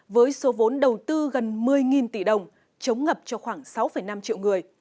với số vốn đầu tư gần một mươi tỷ đồng chống ngập cho khoảng sáu năm triệu người